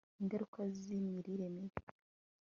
ingaruka zi mirire mibi